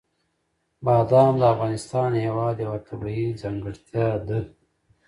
بادام د افغانستان هېواد یوه طبیعي ځانګړتیا ده.